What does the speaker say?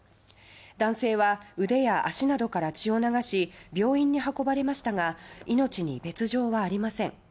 男性は、腕や足などから血を流し病院に運ばれましたが命に別条はありません。